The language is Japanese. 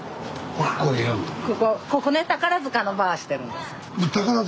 ここここね宝塚のバーしてるんです。